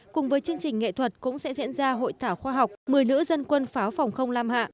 cùng với chương trình nghệ thuật cũng sẽ diễn ra hội thảo khoa học một mươi nữ dân quân pháo phòng không lam hạ